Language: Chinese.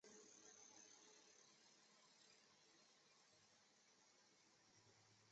索纳克。